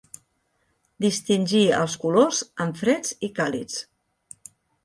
Distingir els colors en freds i càlids.